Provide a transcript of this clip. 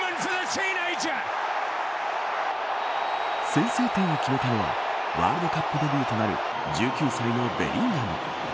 先制点を決めたのはワールドカップデビューとなる１９歳のベリンガム。